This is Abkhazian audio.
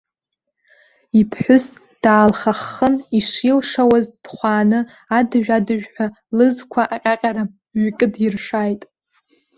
Иԥҳәыс даалхаххын ишилшауаз дхәааны, адыжә-адыжәҳәа лызқәа аҟьаҟьара ҩкыдиршааит.